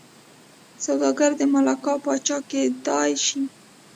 سوداګر د ملاکا پاچا کېدای شي.